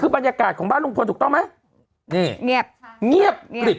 บรรยากาศของบ้านลุงพลถูกต้องมั้ย